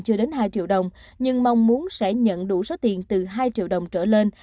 chưa đến hai triệu đồng nhưng mong muốn sẽ nhận đủ số tiền từ hai triệu đồng trở lên